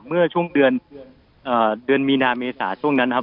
เมื่อช่วงเดือนอ่าเดือนมีนาเมษาช่วงนั้นครับ